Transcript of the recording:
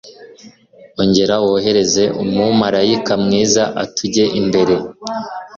ongera wohereze umumalayika mwiza atujye imbere